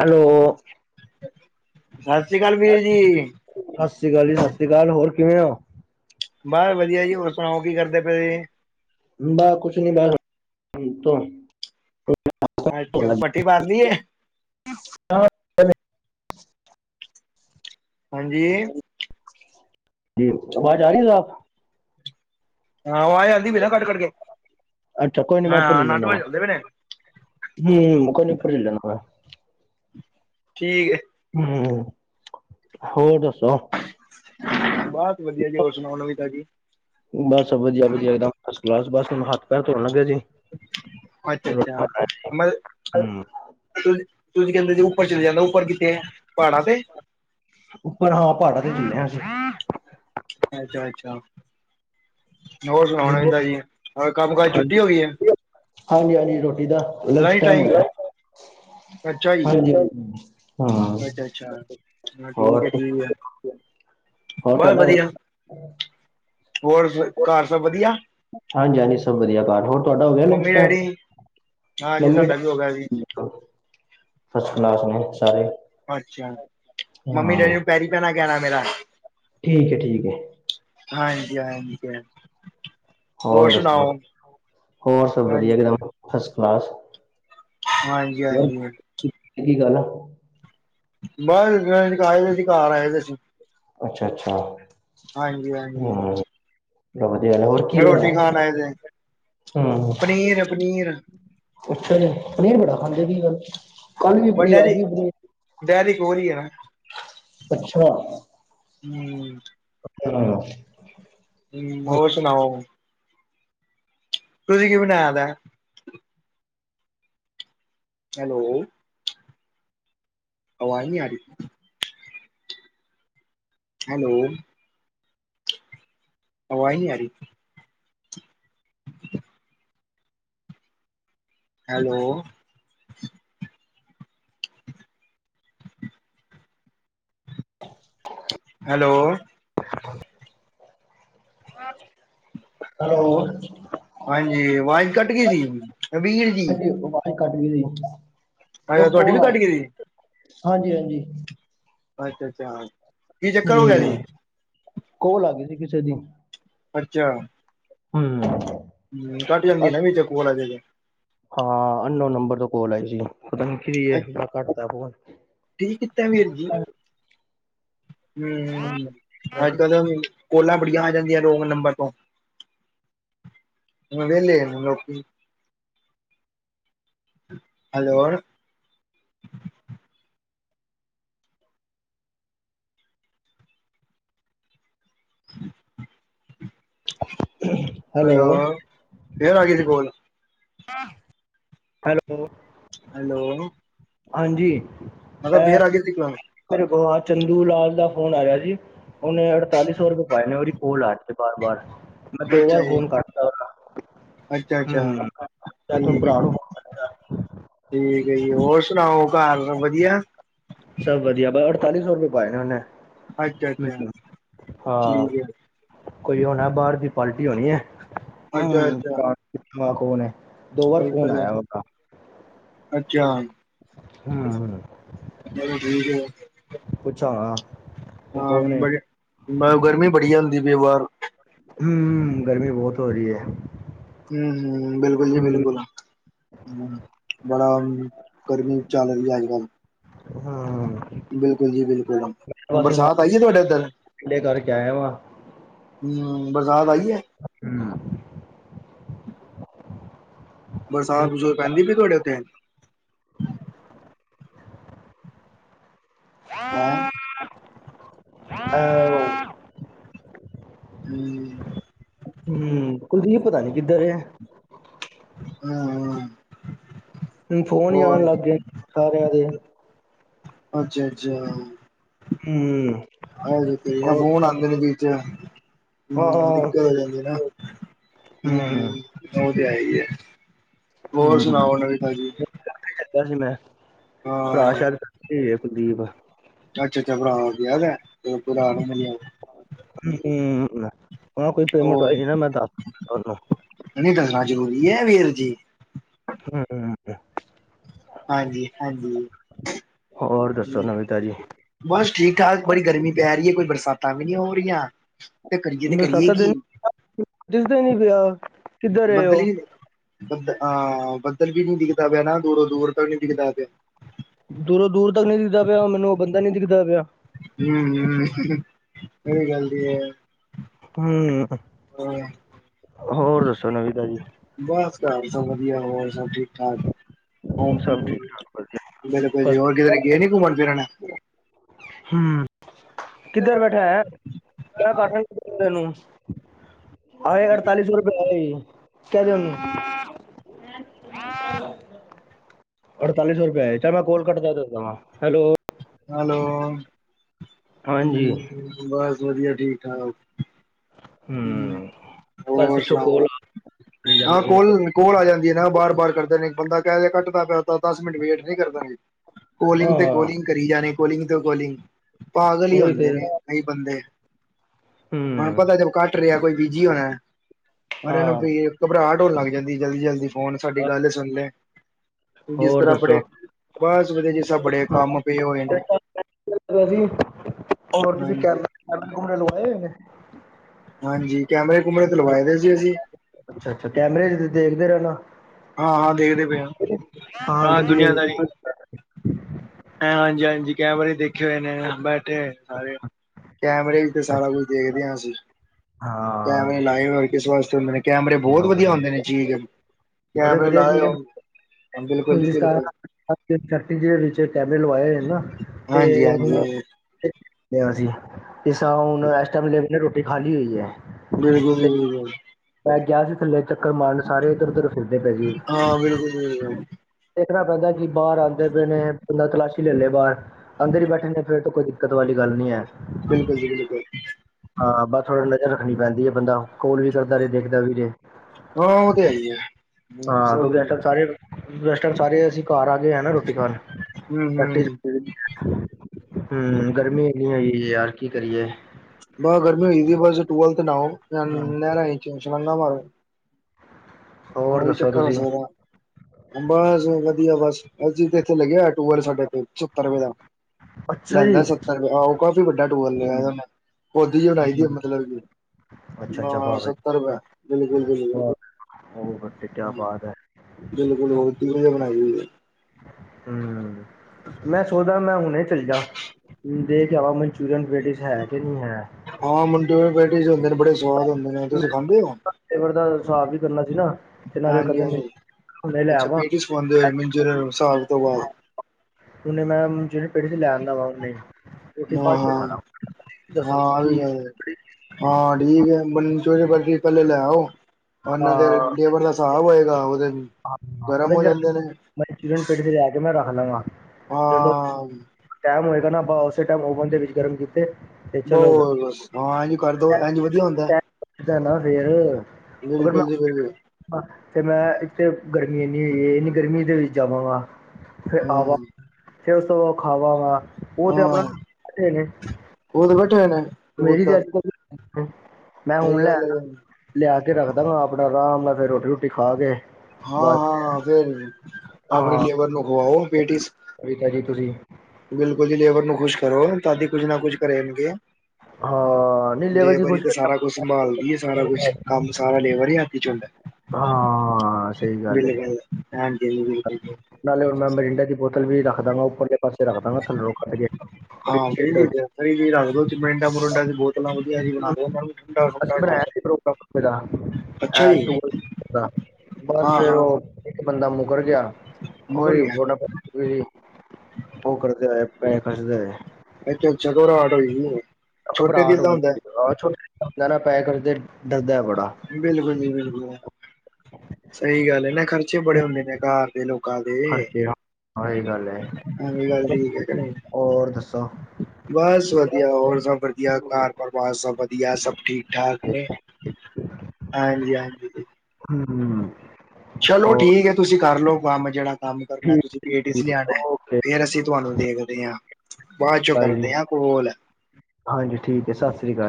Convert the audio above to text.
Hello ਸਤਿ ਸ਼੍ਰੀ ਅਕਾਲ, ਵੀਰ ਜੀ। ਸਤਿ ਸ੍ਰੀ ਅਕਾਲ ਜੀ, ਸਤਿ ਸ਼੍ਰੀ ਅਕਾਲ ਹੋਰ ਕਿਵੇਂ ਹੋ? ਬਸ ਵਧੀਆ ਜੀ ਹੋਰ ਸੁਣਾਓ ਕੀ ਕਰਦੇ ਪਏ ਸੀ ਹਬ ਕੁਛ ਨੀ ਬਰ [unintelligible] [inaudible] ਅੱਛਾ ਪੱਠੀ ਬਾਲ ਲਈ ਏ। ਹਾਂ [inaudible] ਹਾਂਜੀ ਜੀ ਅਵਾਜ ਆ ਰਹੀ ਹੈ ਸਾਹਬ। ਹਾਂ ਆਵਾਜ਼ ਆਦੀ ਪਈ ਨਾ ਕੱਟ-ਕੱਟ ਕੇ ਅੱਛਾ ਕੋਈ ਨੀ ਹਾਂ ਨੈਟ ਵਰਕ ਚੱਲਦੇ ਪਏ ਨੇ ਹਮ ਮੁਖਨ ਇੱਕਪਰੀ ਲ ਨਾਵ [inaudible] ਠੀਕ ਏ, ਹੂੰ ਹੋਰ ਦੱਸੋ? ਬਸ ਵੱਧੀਆ ਜੀ ਹੋਰ ਸੁਣਾਓ ਨਵੀਤਾ ਜੀ? ਬਸ ਵੱਧੀਆ ਵੱਧੀਆ ਇੱਕਦਮ ਫਸਟ ਕਲਾਸ ਬਸ ਹੁਣ ਹੱਥ ਪੈਰ ਧੋਣ ਲੱਗਿਆ ਜੀ ਅੱਛਾ! ਅੱਛਾ! ਤੁਸੀਂ ਕਹਿੰਦੇ ਜੈ ਉੱਪਰ ਚਲੇ ਜਾਂਦਾ ਉੱਪਰ ਕਿਥੇ ਐ ਪਾਹਾੜਾ ਤੇ। ਉੱਪਰ ਹਾਂ ਪਹਾੜਾਂ ਤੇ ਹੁਣੇ ਅਸੀਂ। ਅੱਛਾ! ਅੱਛਾ! ਹੋਰ ਸੁਣਾਉਣਾ ਨਵੀ ਤਾਜ਼ੀ ਆਜ ਕੰਮ ਕਾਜ ਛੁੱਟੀ ਹੋ ਗਈ ਐ। ਹਾਂਜੀ -ਹਾਂਜੀ ਰੋਟੀ ਦਾ ਲੰਚ ਟਾਈਮ ਹੋਆ ਹਾਂਜੀ- ਹਾਂਜੀ ਹਾਂ ਅੱਛਾ! ਅੱਛਾ! ਹਾਂ ਹੋਰ ਠੀਕ ਆ ਠੀਕ ਆ ਹੋਰ ਬਸ ਤੁਹਾਡਾ ਹੋ ਗਿਆ ਵੱਧੀਆ ਹੋਰ ਘਰ ਸਭ ਵੱਧੀਆ। ਹਾਂਜੀ ਹਾਂਜੀ ਸਭ ਵਧੀਆ ਕਾਰ ਹੋਰ ਤੁਹਾਡਾ ਹੋ ਗਿਆ ਲੰਚ ਮੰਮੀ ਟਾਈਮ ਡੈਡੀ ਹਾਂਜੀ ਮੰਮੀ ਸਾਡਾ ਵੀ ਹੋ ਗਿਆ ਜੀ। ਫਸਟ ਕਲਾਸ ਨੇ ਸਾਰੇ ਅੱਛਾ! ਮੰਮੀ -ਡੈਡੀ ਹਾਂ ਨੂੰ ਪੈਰੀ ਪੈਣਾ ਕਹਿਣਾ ਮੇਰਾ। ਠੀਕ ਹੈ ਠੀਕ ਹੈ ਹਾਂਜੀ, ਹਾਂਜੀ, ਹਾਂਜੀ। ਹੋਰ ਦੱਸੋ, ਹੋਰ ਸਭ ਵੱਧੀਆ ਇਕਦਮ ਹਾਂਜੀ ਫਕਸ ਕਲਾਸ? ਹਾਂਜੀ-ਹਾਂਜੀ। [inaudible] [unintelligible] ਘਾਰ ਆਏ ਦੇ ਸੀ। ਅੱਛਾ-ਅੱਛਾ ਹਾਂਜੀ ਹਾਂਜੀ ਹੂੰ, ਬੜਾ ਵਦੀਆ ਹੋਰ। ਕੀ, ਬਣਾਯਾ? ਰੋਟੀ ਖਾਣ ਆਏ ਦੇ ਹੂੰ ਪਨੀਰ ਪਨੀਰ ਅੱਛਾ ਜੀ, ਪਨੀਰ ਬੜਾ ਖਾਂਦੇ ਕੀ ਗੱਲ? ਕੱਲ ਵੀ ਬ ਪਨੀਰ ਅੱਜ ਡੈੜੀ, ਵੀ ਪਨੀਰ ਵੇਆ ਲੀ ਕੋਰੀ ਆ ਨਾ। ਅੱਛਾ। ਹੂੰ। [inaudible] ਹੂੰ, ਓਰ ਸੁਨਾਓ? ਤੁਸੀਂ ਕੀ ਬਣਾਯਾ ਦੈ? ਹੈਲੋ ਅਵਾਜ ਨੀ ਆ ਰੀ? ਹੈਲੋ ਅਵਾਜ ਨੀ ਆਰੀ ਕੀ? ਹੈਲੋ [inaudible] ਹੈਲੋ ਹੈਲੋ ਹਾਂਜੀ, ਵਾਜ ਕਾੱਟ ਗੀ ਸੀ? ਏ ਮਿਲ ਹਾਂਜੀ, ਵਾਜ ਕਾੱਟ ਗੀ ਸੀ, ਓ ਅੱਛਾ ਤੁਹਾਡੀ ਵੀ ਕੋਲ ਕੱਟ ਗਈ ਸੀ ਆਗੀ ਹਾਂਜੀ-ਹਾਂਜੀ। ਅੱਛਾ-ਅੱਛਾ। ਹੂੰ, ਕੋਲ ਆ ਗੀ ਸੀ ਕਿਸੇ ਦੀ। ਅੱਛਾ ਹੂੰ। ਹੂੰ, ਕਾੱਟ ਜਾਂਦੀ ਏ ਨਾ ਵੀਚ ਕੋਲ ਆਜੇ ਤੇ। ਹਾਂ, ਅਨਨੋਨ ਨੰਬਰ ਤੋ ਕੋਲ ਆਈ ਸੀ, ਪਤਾ ਨੀ ਕਿਦੀ ਏ ਮੈ ਕਾੱਟ ਤਾ ਫੋਨ। ਠੀਕ ਕੀਤੈ ਵੀਰ ਜੀ, ਹੂੰ ਆੱਜ-ਕਾੱਲ ਤਾਂ ਕੋਲਾਂ ਬੜੀਆਂ ਆ ਜਾਂਦੀਆਂ ਰੋੰਗ ਨੰਬਰ ਤੋਂ, ਵੇਲੇ ਏ ਲੋਕੀ। ਹੈਲੋ ਹੈਲੋ, ਫੇਰਰ ਆਗੀ ਸੀ ਕੋਲ? [inaudible] ਹੈਲੋ ਹੈਲੋ ਹਾਂਜੀ। ਮ ਕੇਆ ਇਹ ਫੇਰ ਆ ਗੀ ਸੀ ਕੋਲ? [unintelligible] ਚੰਦੂ ਲਾਲ ਦਾ ਫੋਨ ਆ ਰੇਆ ਸੀ ਓਨੇ ਅੜਤਾਲੀ ਸੋ ਰਪੇ ਪਾਏ ਨੇ ਓਦੀ ਕੋਲ ਆ ਰੀ ਏ ਬਾਰ-ਬਾਰ। ਅੱਛਾ ਜੀ, ਹੂੰ ਅੱਛਾ-ਅੱਛਾ ਮੈਂ ਤੂੰ ਠੀਕ ਏ ਭਰਾ ਨੂੰ ਠੀਕ ਫੋਨ ਕਰੇਗਾ ਠੀਕ ਏ ਜੀ, ਹੋਰ ਸੁਨਾਓ ਘਾਰ ਸਬ ਵਦੀਆ? ਸਬ ਵਦੀਆ, ਬ ਅੜਤਾਲੀ ਸੋ ਰਪੇ ਪਾਏ ਨੇ ਓਨੇ ਅੱਛਾ ਅੱਛਾ ਹਾਂ ਠੀਕ ਹੈ ਕੋਈ ਹੋਣੈ ਬਾਰ ਦੀ ਪਾਲਟੀ ਹੋਣੀ ਏ, ਅੱਛਾ ਹੂੰ ਅੱਛਾ ਪਾਰਟੀ ਹਾ ਕੋਨ ਏ। [unintelligible] ਅੱਛਾ। ਹੂੰ, ਚਲੋ ਠੀਕ ਹੈ ਪੁੱਛਾ ਗਾ। ਹਾਂ ਬੜ, ਮ ਗਰਮੀ ਬੜੀ ਆਂਦੀ ਪਈ ਏ ਬਾਰ। ਹੂੰ, ਗਰਮੀ ਬੋਤ ਹੋ ਰੀ ਏ। ਹੂੰ, ਬਿਲਕੁਲ ਜੀ ਬਿਲਕੁਲ। ਹੂੰ, ਬੜਾ ਗਰਮੀ ਚਾੱਲ ਰੀ ਏ ਆੱਜ-ਕਾੱਲ। ਹੂੰ। ਬਿਲਕੁੱਲ ਜੀ ਬਿਲਕੁੱਲ ਬਸ ਹੁਣ ਬਰਸਾਤ ਆਈ ਏ ਤੁਹਾਡੇ ਉੱਧਰ- ਠੰਡੇ ਕਰਕੇ ਆਇਆ ਵਾਂ। ਹਮ ਬਰਸਾਤ ਆਈ ਏ? ਹੂੰ ਬਰਸਾਤ-ਬਰਸੂਤ ਪੈਂਦੀ ਪਈ ਤੁਹਾਡੇ ਉੱਥੇ ਹੈਂਂ [unintelligible] ਹੂੰ। ਹੂੰ ਕੁਲਦੀਪ ਪਤਾ ਨੀ ਕਿੱਧਰ ਰਿਹਾ? ਹਾਂ। ਹੁਣ ਫੋਨ ਈ ਆਣ ਹੀ ਹੋਰ ਲੱਗ ਗਏ ਨ ਸਾਰਿਆਂ ਦੇ। ਅੱਛਾ-ਅੱਛਾ। ਹੂੰ। ਹਾਂਜੀ ਫਿਰ ਹੋਰ ਫੋਨ ਆਂਦੇ ਪਏ ਨੇ ਵਿੱਚ। ਹੂੰ ਹਾਂ, ਦਿੱਕਤ ਹੋ ਜਾਂਦੀ ਨਾ ਹੂੰ ਹੂੰ, ਉਹ ਤੇ ਹੈ ਈ‌ ਏ। ਹਾਂ ਹ ਹ ਗੱਲ ਹੀ ਕਰਦਾ ਸੀ ਮੈਂ ਪਰਾ ਹਾਂ ਸ਼ਾਇਦ ਇੱਥੇ ਹੀ ਪਰਦੀਪ ਚਾਚੇ ਦਾ ਪਰਾ ਗਿਆ ਦਾ ਉਹ ਪਰਾ ਨੂੰ ਮਿਲਣ ਹੂੰ ਉਹ ਕੋਈ ਪੇਮੈਂਟ ਉਹ ਹੋਏਗੀ ਨਾ ਮੈ ਦੱਸ ਦਾਂਗਾ ਤਾਨੂੰ- ਨਹੀਂ ਦੱਸਣਾ ਜ਼ਰੂਰੀ ੲੈ ਵੀਰ ਜੀ। ਹੂੰ-ਹੂੰ ਹਾਂਜੀ-ਹਾਂਜੀ। ਹੋਰ ਦੱਸੋ ਨਵੀਂ ਤਾਜੀ। ਬਸ ਠੀਕ-ਠਾਕ ਬੜੀ ਗਰਮੀ ਪੈ ਰਹੀ ਏ ਕੋਈ ਬਰਸਾਤਾਂ ਵੀ ਨਹੀਂ ਹੋ ਰਹੀਆਂ ਤੇ ਕਰੀਏ ਤੇ ਕਰੀਏ ਕੀ [unintelligible] ਓ? ਬੱਦਲੀ ਬ ਹਾਂ ਬੱਦਲ ਵੀ ਨੀ ਦਿਖਦਾ ਪਿਆ ਨਾ ਦੂਰੋ-ਦੂਰ ਤਕ ਨੀ ਦਿਖਦਾ ਪਿਆ- ਦੂਰੋਂ ਦੂਰ ਤੱਕ ਨਹੀਂ ਦਿਖਦਾ ਪਿਆ ਮੈਨੂੰ ਉਹ ਬੰਦਾ ਨੀ ਦਿਖਦਾ ਪਿਆ ਹੂੰ-ਹੂੰ ਸਈ ਗੱਲ ਦੀ ਐ। ਹੂੰ ਹੋਰ ਦੱਸੋ ਨਵੀ ਤਾਜੀ- ਬਸ ਘਰ ਸਭ ਵਧੀਆ ਹੋਰ ਸਭ ਠੀਕ-ਠਾਕ ਹੋਰ ਸਭ ਠੀਕ ਠਾਕ ਵਧੀਆ ਫਸ ਕਿਧੱਰੇ ਗਏ ਨੀ ਘੁੰਮਣ-ਫਿਰਨ। ਹੂੰ ਕਿੱਧਰ ਬੈਠਾ ਹੋਇਆ ਮੈਂ ਲਭਦਾ ਤੈਨੂੰ ਆਏ ਅੜਤਾਲੀ ਸੋ ਰੁਪਏ ਆਏ ਹੋਏ ਈ ਕਹਿ ਦੇ ਉਹਨੂੰ ਅੜਤਾਲੀ ਸੌ ਰੁਪਏ ਆਏ ਨੇ ਚੱਲ ਮੈਂ ਕੋਲ ਕੱਟਦਾ ਦਸਦਾ ਵਾਂ ਹੈਲੋ ਹੈਲੋ ਹਾਂਜੀ ਹੂੰ ਬਸ ਵਧੀਆ ਠੀਕ-ਠਾਕ। ਹੂੰ ਬਸ ਹੋਰ ਪਿੱਛੋਂ ਸੁਣਾਓ ਕੋਲ ਕਰੀ ਹਾਂ ਜਾਂਦੇ ਮੈਨੂੰ ਕਦੀ ਕੋਲ ਕੋਲ ਆ ਜਾਂਦੀ ੲੈ ਨਾ ਬਾਰ-ਬਾਰ ਕਰਨ ਬੰਦਾ ਕਹਿ ਦੇ ਘੱਟਦਾ ਪਿਆਦਸ ਮਿੰਟ ਵੇਟ ਨਹੀਂ ਕਰਦਾ ਹਾਂ ਕੋਲਿੰਗ ਤੇ ਕੋਲਿੰਗ ਕਰੀ ਜਾਣੇ ਕੋਲਿੰਗ ਤੋਂ ਕੋਲਿੰਗ ਪਾਗਲ ਹੀ ਉਹੀ ਤੇ ਹੁੰਦੇ ਨੇ ਕਈ ਬੰਦੇ ਹੂੰ। ਹੁਣ ਪਤਾ ਜੇ ਘੱਟ ਰਿਹਾ ਕੋਈ ਬਿਜੀ ਹੋਣਾ ਪਰ ਇਹਨੂੰ ਹਾਂ ਘਬਰਾਹਟ ਹੋਣ ਲੱਗ ਜਾਂਦੀ ਜਲਦੀ- ਜਲਦੀ ਫੋਨ ਸਾਡੀ ਗੱਲ ਸੁਣ ਲੇ ਜਿਸ ਹੋਰ ਤਰ੍ਹਾਂ ਦੱਸੋ ਬੜੇ ਬਸ ਜਿਸ ਤਰ ਬੜੇ ਹਾਂ, ਕੰਮ- ਪਏ ਹੋਏ ਨੇ [inaudible] ਹੋਰ ਤੁਸੀਂ ਹਾਂਜੀ ਕੈਮਰੇ ਕੁਮਰੇ ਲਵਾਏ ਹੋਏ ਨੇ ਹਾਂਜੀ ਕੈਮਰੇ-ਕੂਮਰੇ ਤੇ ਲਵਾਏ ਦੇ ਸੀ ਅਸੀਂ ਅੱਛਾ-ਅੱਛਾ ਕੈਮਰੇ ਚ ਦੇਖਦੇ ਰਹਿਣਾ ਹਾਂ-ਹਾਂ ਦੇਖਦੇ ਪਏ ਹਾਂ ਹਾ-ਹਾਂ ਗੱਡੀ ਦੇ ਦੁਨੀਆਂ ਦਾਰੀ ਵਿੱਚ। ਹੈ ਹਾਂਜੀ-ਹਾਂਜੀ ਕੈਮਰੇ ਚ ਦੇਖੇ ਹੋਏ ਨੇ ਬੈਠੇ ਹੋਏ ਨੇ ਸਾਰੇ। ਕੈਮਰੇ ਵੀ ਤੇ ਸਾਰਾ ਅੱਛਾ ਕੁੱਛ ਦੇਖਦੇ ਹਾਂ ਅਸੀਂ ਹਾਂ। ਕੈਮਰੇ ਲਾਏ ਹੋਏ ਕਿਸ ਵਾਸਤੇ ਓਹਨਾ ਨੇ ਕੈਮਰੇ ਬਹੁਤ ਵਧੀਆ ਹੁੰਦੇ ਨੇ ਚੀਜ਼ ਕੈਮਰੇ ਲਾਏ ਲੋ ਹਾਂਜੀ ਸਾਰਾ [unintelligible] ਜੇੜੇ ਵਿੱਚ ਕੈਮਰੇ ਲਵਾਏ ਹੋਏ ਨਾ ਤੇ ਹਾਂਜੀ ਹੁਣ ਹਾਂਜੀ [unintelligible] ਜਿਸਰਾ ਹੁਣ ਇਸ ਟਾਈਮ ਲੇਬਰ ਨੇ ਰੋਟੀ ਖਾਲੀ ਹੋਈ ਹੈ। ਤੇ ਬਿਲਕੁਲ-ਬਿਲਕੁਲ ਮੈਂ ਗਿਆ ਸੀ ਥੱਲੇ ਚੱਕਰ ਮਾਰਨ ਸਾਰੇ ਇਧਰ ਉਧਰ ਫਿਰਦੇ ਪਏ ਸੀ। ਬਿਲਕੁਲ-ਬਿਲਕੁਲ ਦੇਖਣਾ ਪੈਂਦਾ ਕਿ ਬਾਹਰ ਆਦੇ ਪਏ ਨੇ ਬੰਦਾ ਤਲਾਸ਼ੀ ਲੈ ਲੇ ਬਾਰ ਅੰਦਰ ਹੀ ਬੈਠੇ ਨੇ ਫੇਰ ਤਾਂ ਕੋਈ ਦਿੱਕਤ ਵਾਲੀ ਗੱਲ ਨਹੀਂ ਏ। [unintelligible] ਹਾਂ ਬਸ ਥੋੜ੍ਹਾ ਨਜ਼ਰ ਰੱਖਣੀ ਪੈਂਦੀ ਹੈ ਬੰਦਾ ਕੋਲ ਵੀ ਕਰਦਾ ਰੇ ਦੇਖਦਾ ਵੀ ਰੇ। ਹਾਂ ਉਹ ਤੇ ਹੈ ਹੀ ਏ। ਹਾ ਕਿਓਂਕਿ ਇਸ ਟਾਈਮ ਸਾਰੇ, ਇਸ ਟਾਈਮ ਸਾਰੇ ਅਸੀਂ ਘਰ ਆ ਗਏ ਹੈ ਨਾ ਰੋਟੀ ਖਾਣ। ਫੈਕਟਰੀ ਹੂੰ-ਹੂੰ 'ਚ ਹੂੰ ਗਰਮੀ ਇਨੀ ਹੈਗੀ ਏ ਯਾਰ ਕੀ ਕਰੀਏ। ਬਸ ਗਰਮੀ ਹੋਈ ਦੀ ਏ ਬਸ ਟੂਵਲਥ ਤੇ ਨਾਓ, ਹੂੰ, ਨਹਰਾ ਵਿਚ ਛਲਾਂਗਾ ਮਾਰੋ। ਹੋਰ ੳਹੀ ਦੱਸੋ ਚੱਕਰ ਹੋ ਤੁਸੀਂ ਸਕਦਾ। ਬਸ ਵਧੀਆ ਬਸ ਅਸੀ ਤੇ ਇਥੇ ਲੱਗੇਆ ਟੋਲ ਸਾਡੇ ਤੇ ਸੱਤਰ ਰੁਪਏ ਦਾ। ਅੱਛਾ ਜੀ ਲੈਂਦਾ ਸੱਤਰ ਰੁਪਏ ਆਹੋ ਕਾਫੀ ਵੱਡਾ ਟੂਯੁਬਲ ਲਿਆ ਹੂੰ, ਉਹਨੇ। ਹੋਦੀ ਜੀ ਬਣਾਈ ਦੀ ਆ ਹੂੰ। ਮਤਲਬ ਕੀ ਅੱਛਾ ਅੱਛਾ ਨਾ ਵਾਹ ਬਈ ਸੱਤਰ ਬਿਲਕੁਲ- ਬਿਲਕੁਲ। ਵਾਹ ਉਹ ਬੇਟੇ ਕਿਆ ਹਾਂ ਬਾਤ ਹੈ। ਬਿਲਕੁਲ ਹੂੰ ਉਹ [unintelligible] ਬਣਾਈ ਹੋਈ ਹੈ। ਹੂੰ। ਮੈਂ ਸੋਚਦਾ ਵਾ ਮੈਂ ਹੁਣੇ ਚੱਲ ਜਾ ਦੇਖ ਆਵਾਂ ਮਨਚੂਰੀਅਨ ਪੇਟਿਜ਼ ਹੈ ਕਿ ਨੀ ਹੈ। ਹਾਂ ਮਰੂੰਡੇ ਹੋਏ ਪੈਟਸ ਹੁੰਦੇ ਬੜੇ ਸਵਾਦ ਹੁੰਦੇ ਨੇ ਤੁਸੀ ਮੈਂ ਖਾਦੇ ਹੋ, ਫਲੇਵਰ ਦਾ ਹਿਸਾਬ ਵੀ ਕਰਨਾ ਸੀ ਨਾ ਤੇ ਨਾਲੇ ਉਹ ਕਹਿੰਦੇ ਹਾਂਜੀ-ਹਾਂਜੀ। ਮਨਚੂਰੀਅਨ ਹੁਣੇ ਲੈ ਅਛਾ ਆਵਾਂ ਪੇਟੀ ਸੁਖਾਉਦੇ ਹੋ ਮਿੰਜਰ ਸਾਲ ਤੋ ਹਾਂ ਬਾਦ। ਉਹਨੇ ਮੈ ਜਿਹੜੇ ਪੇਟੀਜ ਲੈ ਆਨਾ ਵਾ ਉਹਨੇ। ਰੋਟੀ ਆ ਬਾਅਦ ਚੋਂ ਖਾਣਾ ਦੱਸੋ ਹਾਂ-ਹਾਂ ਆ ਕਿ ਗਏ। ਹਾਂ ਠੀਕ ਹੈ ਮਨ [unintelligible] ਲੇ ਆਓ ਹੁਣ ਅ ਉਹਦੇ ਲੇਬਰ ਵਾਸ ਹਿਸਾਬ ਹੋਏਗਾ ਉਹਦੇ ਗਰਮ ਹੋ ਜਾਦੇ ਨੇ। ਮੈ ਚਿਕਨ ਪੈਟਿਸ ਲੈਕੇ ਮੈ ਰੱਖ ਲਾਂਗਾ ਜਦੋ ਹਾਂ ਟੈਮ ਹੋਏਗਾ ਨਾ ਆਪਾ ਉਸੇ ਟੈਮ ਓਵਨ ਦੇ ਵਿਚ ਗਰਮ ਕੀਤੇ ਤੇ ਚਲੋ ਬਹੁ [unintelligible] ਹਾਂ ਏਝ ਕਰਦੋ ਇਝ ਵਧੀਆ ਹੁੰਦਾ ਟਾਈਮ ਨਾ ਫੇਰ ਬਿਲਕੁਲ ਜੀ ਬਿਲਕੁਲ। ਤੇ ਮੈ ਇੱਕ ਤੇ ਗਰਮੀ ਇੰਨੀ ਹੈਗੀ ਏ ਐਨੀ ਗਰਮੀ ਦੇ ਵਿਚ ਜਾਵਾਂਗਾ। ਫੇਰ ਆਵਾ ਹਾਂ ਫੇਰ ਉਸ ਤੋ ਖਾਵਾ ਗਾ। ਉਹ ਤੇ ਆਪਣਾ ਹਾਂ ਬੈਠੇ ਨੇ ਉਹ ਤੇ ਬੈਠੇ ਹੋਏ ਨੇ ਮੇਰੀ ਤੇ ਕਬੂਤਰ ਅਜ ਮੈਂ ਸਹੀ ਹੁਣ ਲੈ ਗੱਲ ਆਨਾ। ਹੈ ਲਿਆ ਕੇ ਰੱਖਦਾ ਵਾ ਆਪਣਾ ਆਰਾਮ ਨਾਲ ਫਿਰ ਰੋਜੀ-ਰੋਟੀ ਖਾ ਕੇ ਬਸ ਹਾਂ-ਹਾਂ ਫੇਰ ਆਪਣੀ ਹਾਂ ਲੇਬਰ ਨੂੰ ਖਵਾਓ ਪੇਟੀਸ। ਕਵਿਤਾ ਜੀ ਤੁਸੀਂ ਬਿਲਕੁਲ ਜੀ ਲੇਬਰ ਨੂੰ ਖ਼ੁਸ਼ ਕਰੋ ਤਾਕੀ ਕੁੱਝ ਨਾ ਕੁੱਝ ਕਰੇਣਗੇ। ਹਾਂ ਨਹੀਂ ਲੈਵਲ ਦੀ ਲੇਬਰ ਹੀ ਤੇ ਕੋਸ਼ਿਸ਼ ਸਾਰਾ ਓਹ ਸੰਭਾਲਦੀ ਸਾਰਾ ਕੁਛ ਕਰਦਾ ਕੰਮ ਸਾਰਾ ਲੇਬਰ ਹੀ ਹੱਥ ਚ ਹੋਦਾ। ਹਾਂ ਸਹੀ ਗੱਲ ਹੈ ਬਿਲਕੁਲ ਹਾਂਜੀ-ਹਾਂਜੀ ਬਿਲਕੁਲ। ਨਾਲੇ ਹੁਣ ਮੈਂ ਮਰਿੰਡਾ ਦੀ ਬੋਤਲ ਵੀ ਰੱਖਦਾਗਾ ਉਪਰਲੇ ਪਾਸੇ ਰੱਖ ਦਾਗਾ ਥੱਲੋ ਕੱਡ ਕੇ ਥੋੜੀ ਹਾਂ ਚਿਲਡ ਹੋ ਜੇ ਫਰਿਜ ਵੀ ਰੱਖ ਦਓ ਚ ਮਿਰੇਡਾ ਮਰੰਡਾ ਬੋਤਾਂ ਵਧੀਆ ਬਣਾ ਦਓ ਉਨਾਂ ਨੂੰ। ਠੰਡਾ ਅਸੀ ਠੁੰਡਾ ਬਣਾਇਆ ਠਾਰ ਸੀ ਪ੍ਰੋਗਰਾਮ ਅੱਛਾ ਏਦਾ ਜੀ ਟੂਰ ਦਾ ਹਾਂ ਬਸ ਫੇਰ ਹਾਂ ਉਹ ਇਕ ਬੰਦਾ ਮੁਕਰ ਗਿਆ ਮੁਕਰ ਓਈ ਗਿਆ ਬ- ਉਹ ਕਰਦੇ ਹੋਏ ਪੈਏ [unintelligible] ਕਟਦੇ ਹੈ ਚਗੋਰਾਡੋ [unintelligible] ਘਬਰਾਹਟ ਹੁੰਦੀ ਛੋਟੇ ਹੌਂਦਿਆਂ ਨਾ ਪੈਹੇ ਖਰਚਦੇ ਡਰਦਾ ਹੈ ਬੜਾ। ਬਿਲ -ਬਿਲ -ਬਿਲ ਸਹੀ ਗੱਲ ਹੈ ਨਾ ਖਰਚੇ ਬੜੇ ਹੁੰਦੇ ਨੇ ਘਰ ਦੇ ਲੋਕ ਹਾਂਜੀ, ਖਰਚੇ ਹਾਂ ਇਹ ਗੱਲ ਹੈ ਐਵੀ ਗੱਲ [unintelligible] ਠੀਕ ਹੈ ਕਿ ਨਈ। ਔਰ ਦੱਸੋ ਬਸ ਵਧੀਆ, ਹੋਰ ਸਭ ਵਧੀਆ ਘਰ ਪਰਿਵਾਰ ਸਭ ਵਧੀਆ ਸਭ ਠੀਕ ਠਾਕ ਨੇ? ਹਾਂਜੀ- ਹਾਂਜੀ। ਹੂੰ- ਹੂੰ ਚਲੋ ਠੀਕ ਹੈ ਤੁਸੀ ਕਰਲੋ ਕਮ ਜਿਹੜਾ। ਕਮ ਕਰਨਾ ਤੁਸੀ ਠੀਕ ਪੇਟੀਸ ਠੀਕ ਲਿਆਣਾ ਓਕੇ ਫੇਰ ਅਸੀ ਤੁਹਾਨੂੰ ਦੇਖਦੇ ਹਾ। ਬਾਅਦ ਚੋਂ ਕੱਲ ਜੀ। ਕਰਦੇ ਆ ਕੋਲ ਹਾਂਜੀ, ਠੀਕ ਹੈ ਸਤਿ ਸ੍ਰੀ ਅਕਾਲ।